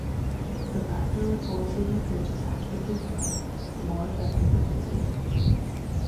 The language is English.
The faster a four-seamer pitch is accurately thrown, the more effective it will be.